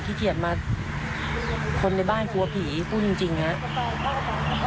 ขี้เกียจมาคนในบ้านกลัวผีคุณจริงน่ะ